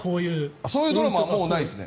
そういうドラマはもうないですね。